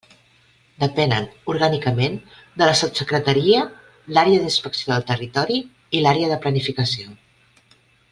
Depenen orgànicament de la Sotssecretaria, l'Àrea d'Inspecció del Territori i l'Àrea de Planificació.